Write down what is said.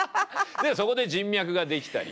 でもそこで人脈が出来たり。